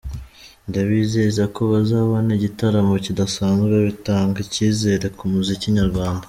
Ndabizeza ko bazabona igitaramo kidasanzwe, bitanga icyizere ku muziki nyarwanda.